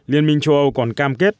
liên minh châu âu còn cam kết